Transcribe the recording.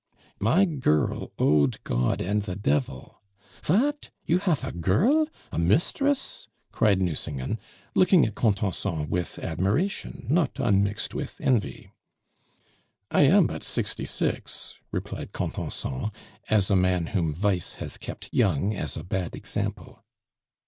"My girl owed God and the devil " "Vat, you haf a girl, a mistress!" cried Nucingen, looking at Contenson with admiration not unmixed with envy. "I am but sixty six," replied Contenson, as a man whom vice has kept young as a bad example.